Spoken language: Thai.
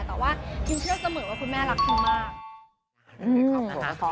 แต่ว่าพิมเชื่อเสมอว่าคุณแม่รักพิมมาก